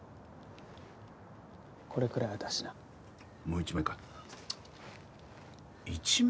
これくらいは出しなもう１枚か１万？